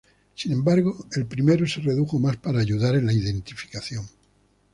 Sin embargo, el primero se redujo más para ayudar en la identificación.